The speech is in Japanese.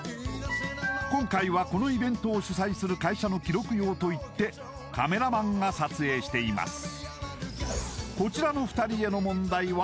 今回はこのイベントを主催する会社の記録用と言ってカメラマンが撮影しています